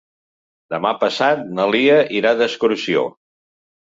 Demà passat na Lia irà d'excursió.